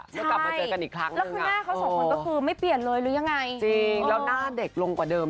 นางสาวจริงใจกับนายแสนดี